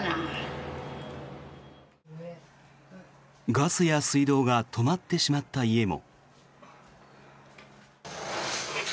ガスや水道が止まってしまった家も。